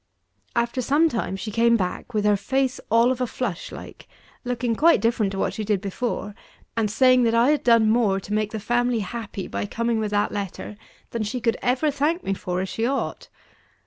After some time, she came back with her face all of a flush, like; looking quite different to what she did before, and saying that I had done more to make the family happy by coming with that letter, than she could ever thank me for as she ought.